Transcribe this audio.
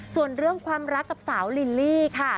ส่วนเรื่องความรักกับสาวลิลลี่ค่ะ